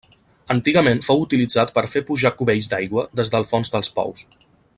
Antigament fou utilitzat per fer pujar cubells d'aigua des del fons dels pous.